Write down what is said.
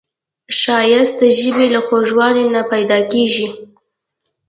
ښایست د ژبې له خوږوالي نه پیداکیږي